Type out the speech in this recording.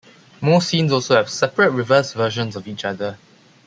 Most scenes also have separate reverse versions of each other.